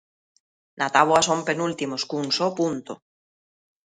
Na táboa son penúltimos, cun só punto.